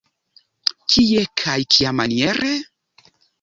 Kie kaj kiamaniere?